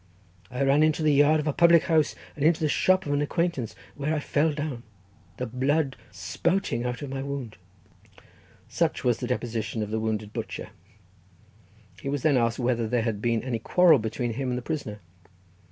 I ran into the yard of a public house, and into the shop of an acquaintance, where I fell down, the blood spouting out of my wound." Such was the deposition of the wounded butcher. He was then asked whether there had been any quarrel between him and the prisoner?